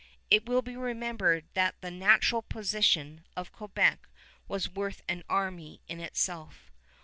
It will be remembered that the natural position of Quebec was worth an army in itself.